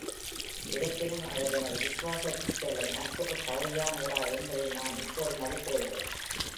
இருப்பினும், அவர் எனது விசுவாசத்திற்கு அல்லது நட்புக்கு தகுதியானவரா என்பதை நான் இப்போது மதிப்பிடுகிறேன்.